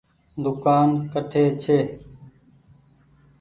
دوڪآن ڪٺي ڇي۔